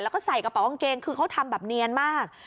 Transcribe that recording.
เป็นคนเดียวอ่อนเกงคือเขาทำแบบเนียนมาก